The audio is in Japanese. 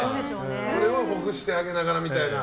それをほぐしてあげながらみたいな。